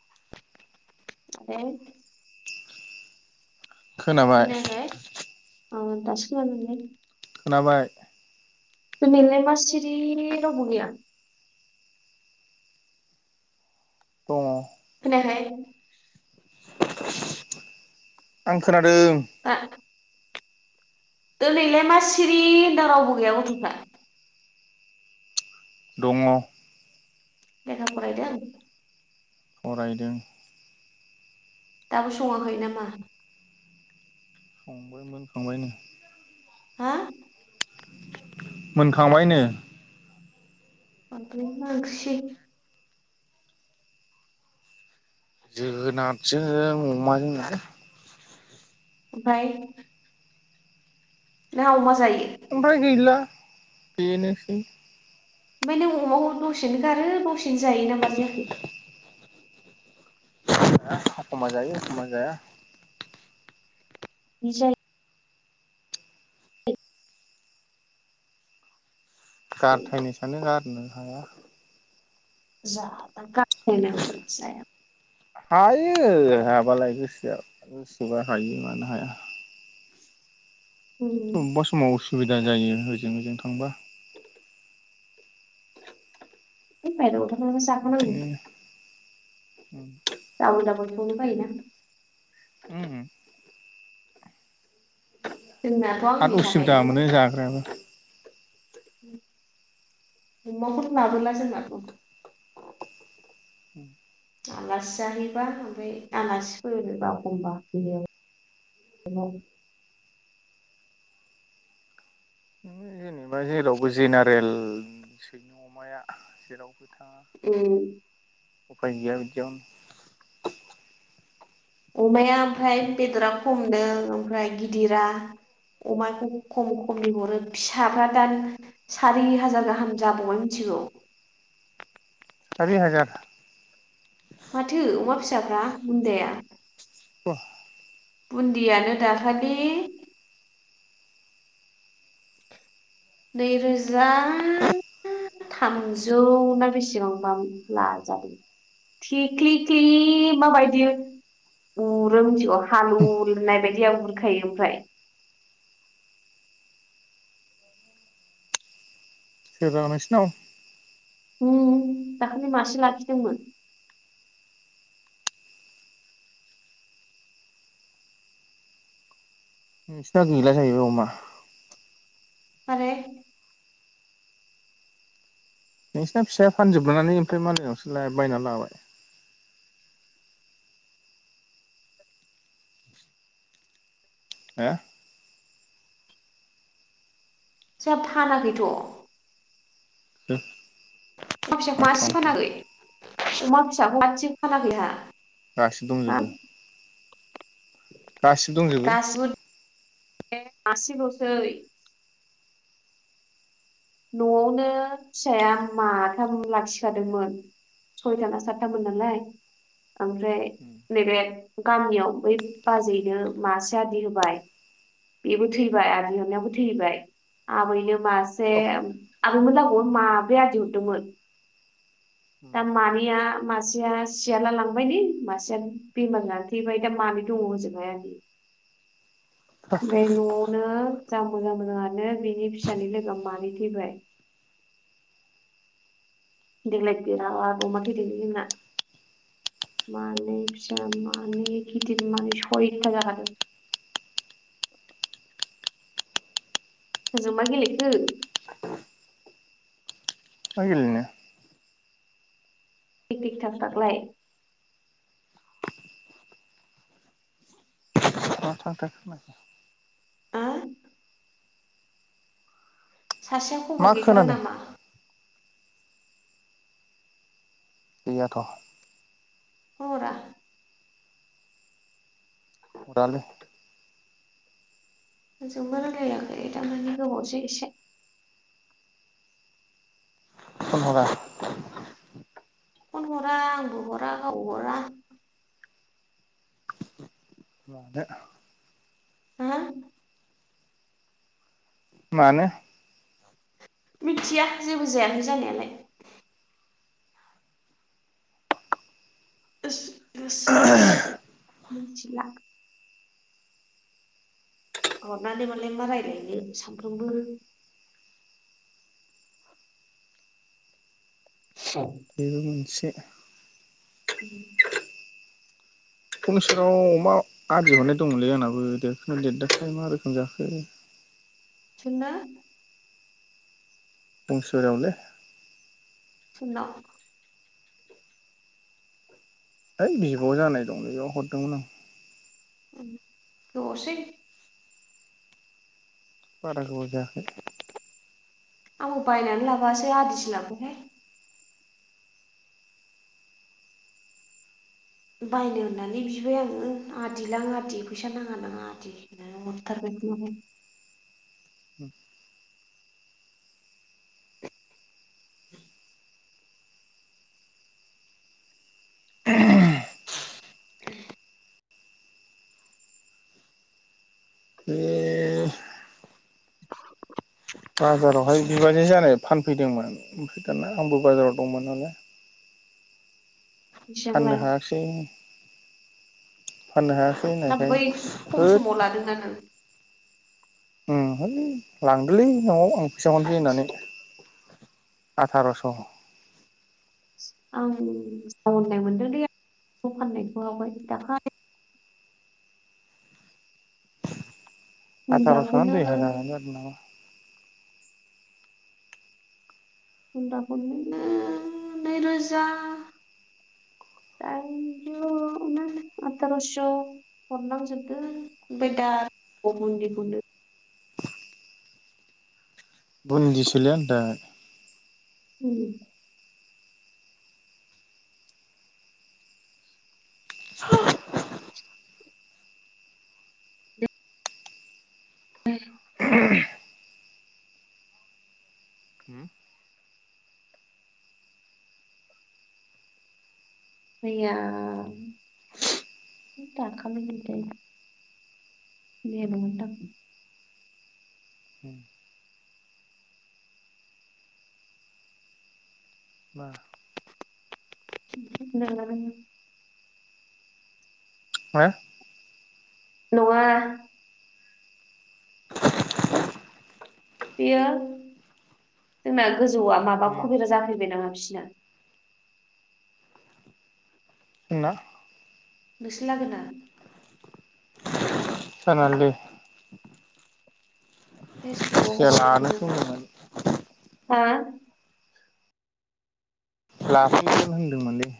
[unintelligible] खोनाबाय औ दासो खोनादोंलै [unintelligible] बे मले मा सिरि रावबो गैया दङ खोनायाखै आंखोना दों [unintelligible] दा दिनैलाय मा सिरि होनदों रावबो गैया गथ'फ्रा दङ लेखा फरायदों फरायदों दाबो सङाखै नामा संबाय मोनखांबायनो हा मोनखांबायनो ओमफ्राय मा ओंख्रि जोगोनादजोंनो अमाजोंनो लै ओमफाय नों अमा जायो ओमफ्राय गैला बेनोसै ओमफ्राय नों अमाखौ दसेनो गारो दसेनो जायो ना मारै जाखो? [unintelligible] एखनबा जायो एखनबा जाया [unintelligible] गारथायनो सानो गारनो हाया। जा [unintelligible] [unintelligible] हायो हाबालाय गोसोआव गोसोबा हायो मानो हाया। उम, अबेबा समाव उसुबिदा जायो ओजों ओजों थांबा [inaudible] [unintelligible] [unintelligible] [unintelligible] दाबल दाबल संनो बायोना हम जोंनाथ' [unintelligible] आंनि आरो उसुबिदा मोनो जाग्रायाबो [unintelligible] अमाखौ नों लाबोला जोंना थ' [inaudible] उम आलासि जाहैबा ओमफ्राय आलासिफोरबा एखमबा [unintelligible] ओमबाय जेनेबा जेरावबो जेनारेल सै अमाया जेरावबो था उम उफाय गैया बिदियावनो अमाया ओमफ्राय बेदरा खमनो ओमफ्राय गिदिरा अमाखौ खम खमनि हरो फिसाफ्रा दा सारि हाजार गाहाम जाबावबाय मिथिगौ? सारि हाजार माथो अमा फिसाफ्रा बुन्दाया बा बुन्दियानो दाखालि नैरोजा थामजौ ना बेसेबांबा लाजादों थिख्लि क्लि माबायदि उरो मिथिगौ हालुवनाय बायदिया उरखायो ओमफ्राय [unintelligible] नोंसिनाव उम दाखालि मासे लाखिदोंमोन नोंसिना गैला जाहैबाय अमा माबे? नोंसिना फिसाया फानजोबनानै ओमफ्राय मालायनावसो बायना लाबाय हा जोंहा फानाखैथ' [unintelligible] अमा फिसाखौ मासेबो खालामखो फानाखै अमा फिसाखौ मासेबो फानाखै हा गासिब दंजोबो [inaudible] गासिब दंजोबो मासे लसै नआवनो फिसाया माथाम लाखिखादोंमोन सयथा ना सातथामोन नालाय ओमफ्राय नैबे गामियाव बै बाजैैनो मासे आदि होबाय बेबो थैबाय आदि होननायाबो थैबाय आबैनो मासे आबैमोना अमा माब्रै आदि हरदोंमोन दा मानैया मासेया सियाला लांबायलै मासेया बेमार जाना थैबाय दा मानै दङ ओजोंहाय आदि बे न'आव नो जा मोजां मोजा़ङानो बिनि फिसानि लोगो मानै थैबाय देग्लाय बिराद अमा थैदों जोंना मानै फिसा मानै गिदिर मानै सयथ जाखादों सोरजों मा गेलेखो मा गेलेनो थिक-थिक थाक थाखलाय [unintelligible] आ सासेया मा खबर गैथारा खोनादों नामा गैयाथ खबरा हरालै रावजोंबो रायलायाखै तामाने गोबावजों एसे फन हरा फन हरा आंबो हरा गावबो हरा मानो हो मानो मिथिया जेबो जायाखै जानायालाय गोसो-गोसोआ मा जादों मिथिला हरनानै मालाय मा रायलायनो सानफ्रोमबो बेबो [unintelligible] मोनसे अम [unintelligible] अमा आदिहरनाय दंमोनलै आंनाबो देरखोना देराखै मा रोखोम जाखो सोरना अंसुरनावलै सोरनाव है बिब जानाय दंलै बेैयाव हरदोंमोन आं गोबावसै बारा गोबाव जायाखै आंबो बायनानै लाबोआसै आदिसो लाबोबाय हाय बायनो होननानै बिबाय आङो आदिलां आदि फैसा नाङा नाङा आदि होननानै हरथारबाय बे [inaudible] बाजारावहाय बिबाजै जानाय फानफैदोंमोन ओमफ्राय दाना आंबो बाजाराव दंमोन नालाय बेसेबां फाननो लाया हायाखैसै ना बै खम होद समाव लादों ना नों अम है लांदोलै नआव आं [inaudible] होननानै आथारास आं [inaudible] मोनदोंलै फाननायखौ आवगाय दाखालि आथारस ना बुन्दाखौनो दुइ हाजारानो जादो नामा बुन्दाखौनो नैरोजा दाइनजौना आथारस हरनांजोबदो ओमफ्राय दा बुन्दिखौनो बुन्दिसोलै आंदा उम हा मैया दाखालैनि बायदि मैया बहनदो आं मा [inaudible] मा नङा बेयो जोंना गोजौआ माबा कबिरा जाफैबाय नामा बिसिना ओंना नोंसोलागोना जानोलै फेस बुकाव जाया हगारनाय लानोसै नुदों होनदोंमोन हा लाफैनो होनदोंमोनलै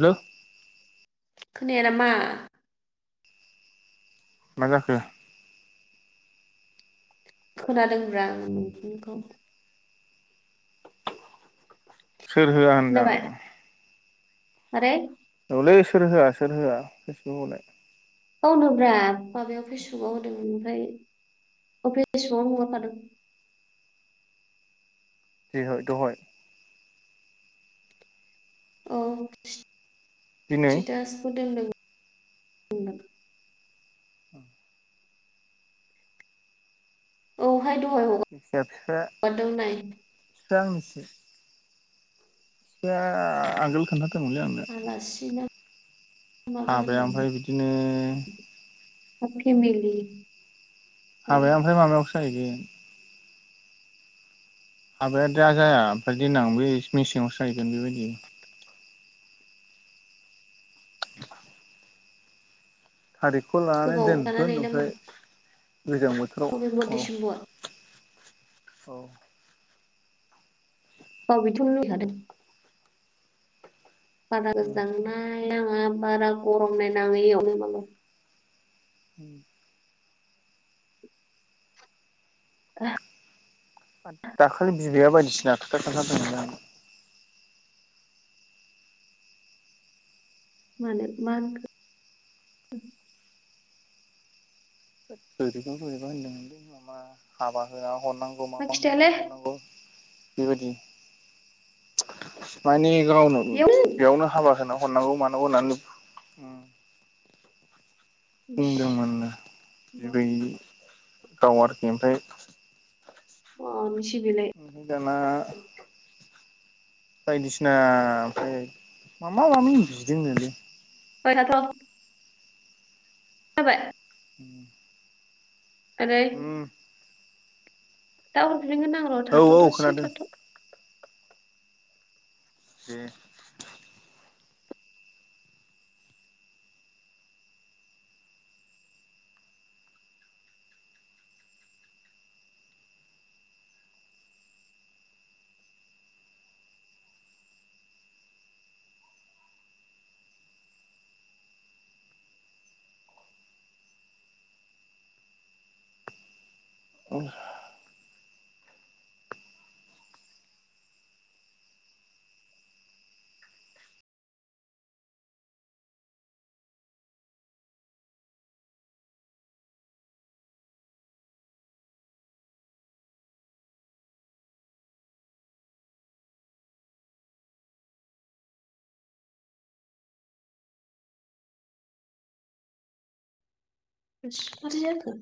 हेलौ खोनाया नामा मा जाखो खोनादोंब्रा आं नोंनिखौ सोर होया होनदां मारै औलै सोर होया सोर होया पेसबुकआव हरलाय गावनोब्रा माबायाव फेसबुकआव होदों ओमफ्राय गाव फेसबुकआव हगारफादों देहाय दहाय औ दिनै स्टिटासबो दोनदों [unintelligible] ओं औ हाय दहाय ह गाद दों नाय जावोसो बे आ-आ आगोल खोनथा आलासि ना माबा हाबाया होननानै ओमफ्राय बिदिनो अ फेमिलि हाबाया ओमफ्राय माबायावस जाहैगोन हाबाया दा जाया ओमफ्राय देनां बे मेसेङावसो जाहैगोन बेबायदि [inaudible] थारिखखौ लानानै गोबाव दोनगोन थानानै नामा ओमफ्राय गोजां बोथोराव नभेम्बर औ। डिसेम्बर औ। औ बेथ' लुबैखादों बारा औ गोजांना नाङा बारा गरम नायनाङै यावनो मालाय उम। [unintelligible] दाखालि बिबैआ बायदिसिना खोथा खोथादोंमोनलै आंनो मानो मा होनखो? ओरैजों हरैजों होनदोंमोनलै माबा हाबा होआ हरनांगौ मा मा होनना हरनांगौ बेबादि फिफानि गावनो बेयावनो हाबा होनां हरनांगौ मान होनरनानै ओ इस [unintelligible] गाव आरोखि ओमफ्राय [unintelligible] ओफाय दाना बायदिसिना ओमफ्राय माबा मामि बिदोंनोलै। [unintelligible] ओबाय ओ। ओरै दाब रिंगोन आङो औ र'थाथ' औ दसे खोनादों थाथ'। जे अ माथस बुरै जाखो?